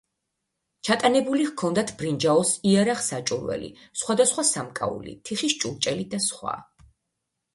ჩატანებული ჰქონდათ ბრინჯაოს იარაღ-საჭურველი, სხვადასხვა სამკაული, თიხის ჭურჭელი და სხვა.